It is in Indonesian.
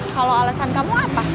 kalau alasan kamu apa